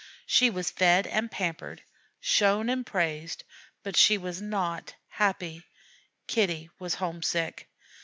She was fed and pampered, shown and praised; but she was not happy. Kitty was homesick!